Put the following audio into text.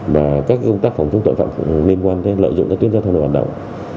và các công tác phòng chống tội phạm liên quan đến lợi dụng các tuyến giao thông đồ bản động